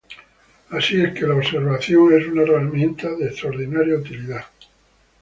Es así que la observación es una herramienta de extraordinaria utilidad.